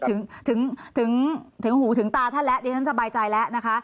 ถึงถึงถึงถึงหูถึงตาท่านแหละเดี๋ยวฉันสบายใจแล้วนะคะ